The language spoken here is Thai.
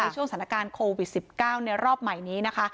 ในช่วงสถานการณ์โควิดสิบเก้าในรอบใหม่นี้นะคะ